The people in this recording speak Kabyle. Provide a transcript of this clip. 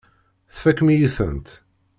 Tfakem-iyi-tent.